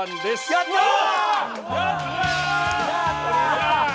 やったー！